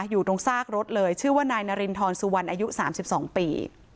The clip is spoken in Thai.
อยู่ตรงซากรถเลยชื่อว่านายนารินทรสุวรรณอายุ๓๒ปี